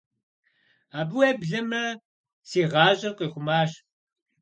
Абы, уеблэмэ, си гъащӀэр къихъумащ.